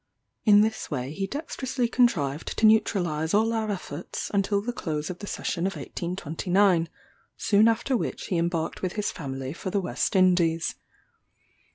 In this way he dextrously contrived to neutralize all our efforts, until the close of the Session of 1829; soon after which he embarked with his family for the West Indies.